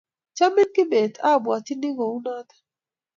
"Chamin kibet?"abwatyini konoto